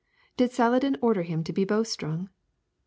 Did Saladin order him to be bowstrung?